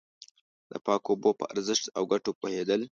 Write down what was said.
د پاکو اوبو په ارزښت او گټو پوهېدل.